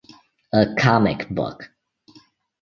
A comic book.